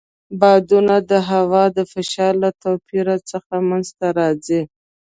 بادونه د هوا د فشار له توپیر څخه منځته راځي.